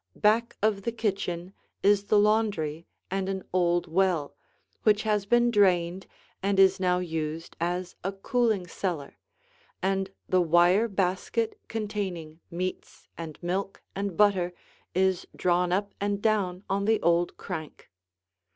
Back of the kitchen is the laundry and an old well, which has been drained and is now used as a cooling cellar, and the wire basket containing meats and milk and butter is drawn up and down on the old crank.